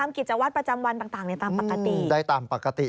ทำกิจวัตรประจำวันต่างได้ตามปกติ